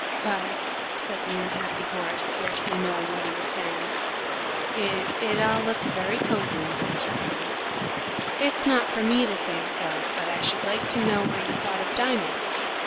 "Well," said the unhappy Horace, scarcely knowing what he was saying, "it it all looks very cosy, Mrs. Rapkin." "It's not for me to say, sir; but I should like to know where you thought of dining?"